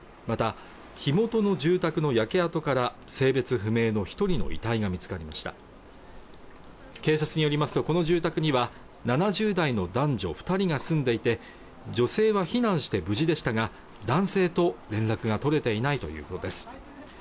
また、火元の住宅の焼け跡から性別不明の一人の遺体が見つかりました警察によりますとこの住宅には７０代の男女二人が住んでいて女性は避難して無事でしたが男性と連絡が取れていないということです